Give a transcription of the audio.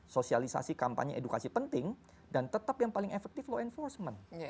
sosialisasi kampanye edukasi penting dan tetap yang paling efektif law enforcement